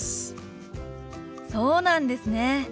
そうなんですね。